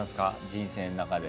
人生の中で。